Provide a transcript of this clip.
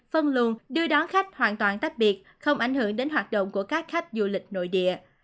phân luồn đưa đón khách hoàn toàn tách biệt không ảnh hưởng đến hoạt động của các khách du lịch nội địa